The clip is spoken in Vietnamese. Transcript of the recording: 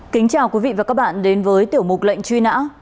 kính chào quý vị và các bạn đến với tiểu mục lệnh truy nã